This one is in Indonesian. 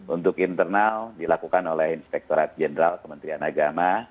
untuk internal dilakukan oleh inspektorat jenderal kementerian agama